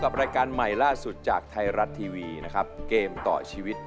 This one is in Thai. อยู่ด้วยกันมาตั้งหลายสิบปีนะพี่นะ